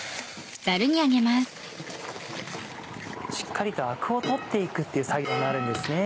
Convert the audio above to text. しっかりとアクを取って行くっていう作業になるんですね。